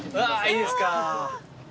いいですか？